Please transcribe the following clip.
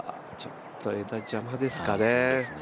ちょっと枝、邪魔ですかね。